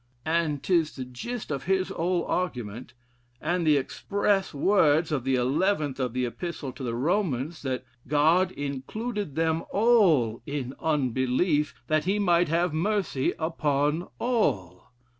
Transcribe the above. And 'tis the gist of his whole argument, and the express words of the 11th of the Epistle to the Romans, that 'God included them all in unbelief, that he might have mercy upon all.'